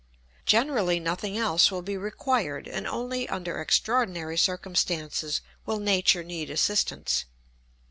Generally nothing else will be required, and only under extraordinary circumstances will nature need assistance.